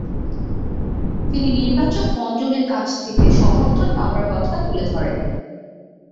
তিনি নির্বাচকমণ্ডলীর কাছ থেকে সমর্থন পাবার কথা তুলে ধরে।